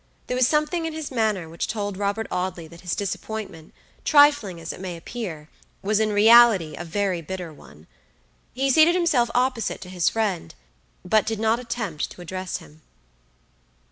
There was something in his manner which told Robert Audley that his disappointment, trifling as it may appear, was in reality a very bitter one. He seated himself opposite to his friend, but did not attempt to address him.